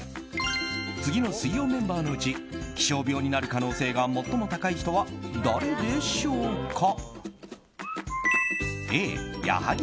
次の水曜メンバーのうち気象病になる可能性が最も高い人は誰でしょうか？